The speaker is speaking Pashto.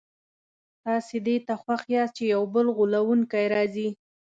تاسي دې ته خوښ یاست چي یو بل غولونکی راځي.